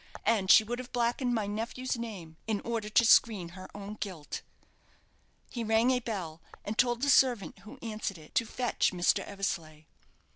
And she would have blackened my nephew's name, in order to screen her own guilt!" He rang a bell, and told the servant who answered it to fetch Mr. Eversleigh.